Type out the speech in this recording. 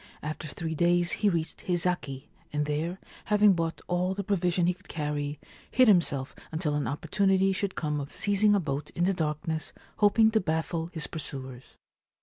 After three days he reached Hizaki, and there, having bought all the provision he could carry, hid himself until an opportunity should come of seizing a boat in the darkness, hoping to baffle his pursuers.